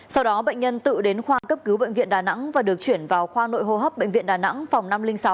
sau đó bệnh nhân tự đến khoa cấp cứu bệnh viện đà nẵng và được chuyển vào khoa nội hô hấp bệnh viện đà nẵng phòng năm trăm linh sáu